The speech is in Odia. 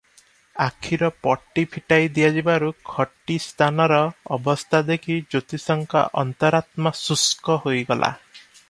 ଆଖିର ପଟି ଫିଟାଇ ଦିଆଯିବାରୁ ଖଟି ସ୍ଥାନର ଅବସ୍ଥା ଦେଖି ଜ୍ୟୋତିଷଙ୍କ ଅନ୍ତରାତ୍ମା ଶୁଷ୍କ ହୋଇଗଲା ।